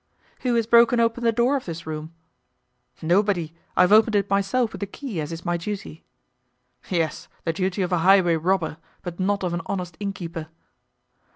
"Who has broken open the door of his room?" "Nobody; I have opened it myself with the key, as is my duty." "Yes, the duty of a highway robber, but not of an honest inn keeper."